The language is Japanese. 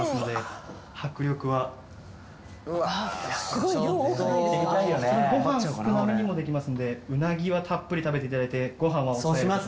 ご飯少なめにもできますんでウナギはたっぷり食べていただいてご飯は抑える。